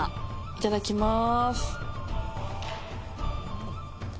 いただきます。